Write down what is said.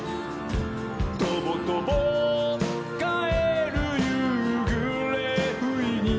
「とぼとぼかえるゆうぐれふいに」